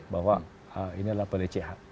bahwa ini adalah balai cihak